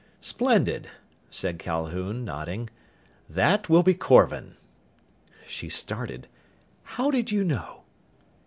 "Splendid!" said Calhoun, nodding. "That will be Korvan." She started. "How did you know?"